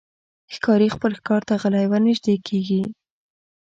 ښکاري خپل ښکار ته غلی ورنژدې کېږي.